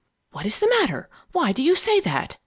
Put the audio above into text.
"What is the matter? Why do you say that?"